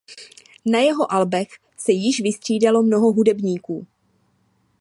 Na jeho albech se již vystřídalo mnoho hudebníků.